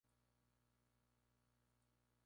Es una especie muy rara en España.